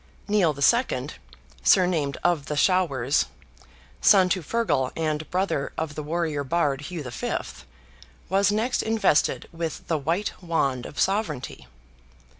Nial II. (surnamed of the Showers), son to FEARGAL and brother of the warrior Bard, Hugh V., was next invested with the white wand of sovereignty.